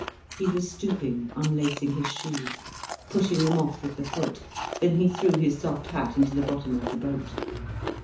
He was stooping unlacing his shoes, pushing them off with the foot. Then he threw his soft hat into the bottom of the boat.